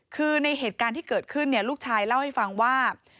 คือในเหตุการณ์ที่เกิดขึ้นลูกชายเล่าให้ฟังว่า